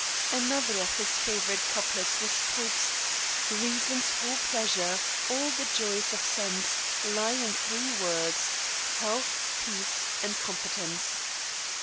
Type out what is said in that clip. Another of his favorite couplets was Pope's: "Reason's whole pleasure, all the joys of sense, Lie in three words: health, peace, and competence."